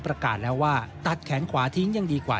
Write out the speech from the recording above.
ประกาศแล้วว่าตัดแขนขวาทิ้งยังดีกว่า